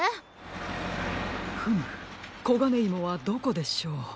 フムコガネイモはどこでしょう？